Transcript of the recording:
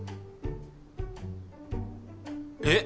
えっ！？